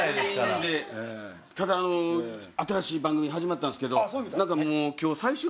ただあの新しい番組始まったんですけど。